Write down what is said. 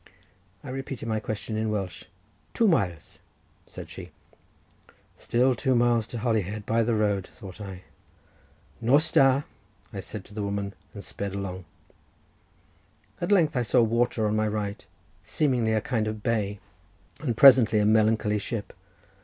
I repeated my question in Welsh. "Two miles," said she. "Still two miles to Holyhead by the road," thought I. "Nos da," said I to the woman, and sped along. At length I saw water on my right, seemingly a kind of bay, and presently a melancholy ship.